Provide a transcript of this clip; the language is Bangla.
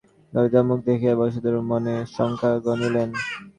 ললিতার মুখ দেখিয়াই বরদাসুন্দরী মনে শঙ্কা গনিলেন।